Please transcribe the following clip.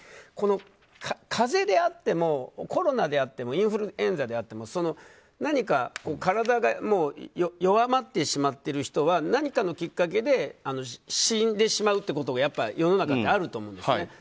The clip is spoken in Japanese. この、風邪であってもコロナであってもインフルエンザであっても体が弱まってしまっている人は何かのきっかけで死んでしまうことが世の中ってあると思うんですね。